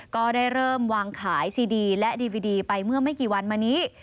ก็ได้เริ่มวางขายซีดีและดีวิดีไปเมื่อไม่กี่วันมานี้